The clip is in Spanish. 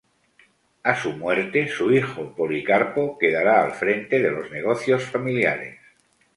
A su muerte, su hijo Policarpo quedará al frente de los negocios familiares.